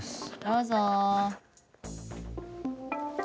どうぞ。